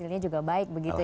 itu juga baik begitu ya pak